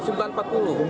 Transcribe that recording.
jam sebelas berapa